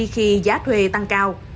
khi giá thuê tăng cao